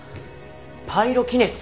パイロキネシス。